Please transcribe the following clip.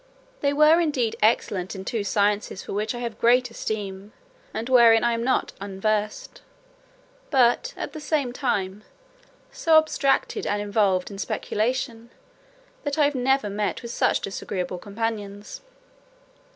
They were indeed excellent in two sciences for which I have great esteem, and wherein I am not unversed; but, at the same time, so abstracted and involved in speculation, that I never met with such disagreeable companions.